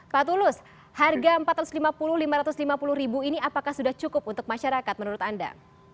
pak tulus harga rp empat ratus lima puluh rp lima ratus lima puluh ini apakah sudah cukup untuk masyarakat menurut anda